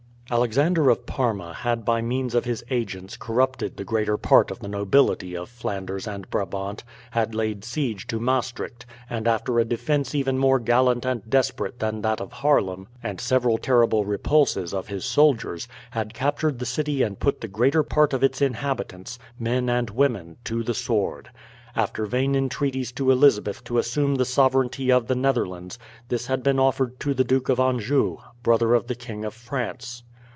Alexander of Parma had by means of his agents corrupted the greater part of the nobility of Flanders and Brabant, had laid siege to Maastricht, and, after a defence even more gallant and desperate than that of Haarlem, and several terrible repulses of his soldiers, had captured the city and put the greater part of its inhabitants men and women to the sword. After vain entreaties to Elizabeth to assume the sovereignty of the Netherlands, this had been offered to the Duke of Anjou, brother of the King of France.